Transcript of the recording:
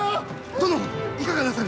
殿いかがなさる！